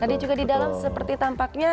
tadi juga di dalam seperti tampaknya